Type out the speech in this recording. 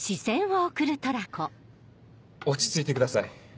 落ち着いてください。